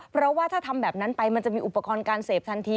เพราะว่าถ้าทำแบบนั้นไปมันจะมีอุปกรณ์การเสพทันที